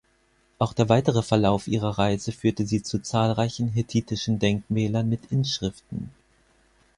Auch der weitere Verlauf ihrer Reise führte sie zu zahlreichen hethitischen Denkmälern mit Inschriften.